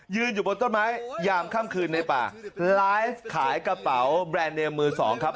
อยู่บนต้นไม้ยามค่ำคืนในป่าไลฟ์ขายกระเป๋าแบรนด์เนมมือสองครับ